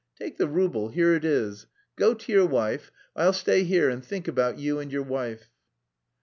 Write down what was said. Take the rouble, here it is. Go to your wife, I'll stay here and think about you and your wife."